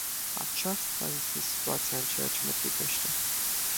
Aceasta este situația în ceea ce ne privește.